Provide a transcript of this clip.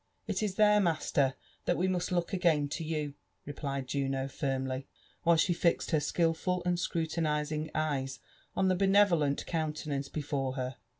" It is there, master, that wo muat look again to you," replied Juno firmly, while she fixed her skilful and scrutinising eyes on the bene TOkol countenance before her.